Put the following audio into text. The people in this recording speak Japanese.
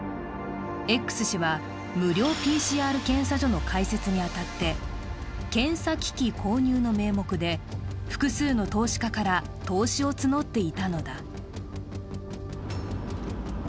Ｘ氏は無料ＰＣＲ検査所の開設に当たって、検査機器購入の名目で複数の投資家から投資を募っていたのだ。